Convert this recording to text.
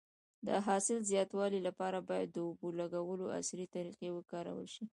د حاصل د زیاتوالي لپاره باید د اوبو لګولو عصري طریقې وکارول شي.